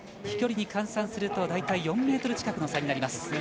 飛距離に換算すると大体４ｍ近くの差になります。